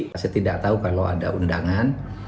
pasti tidak tahu kalau ada undangan